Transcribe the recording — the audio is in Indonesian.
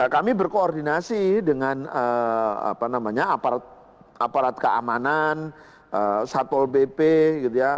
kami berkoordinasi dengan aparat keamanan satpol bp gitu ya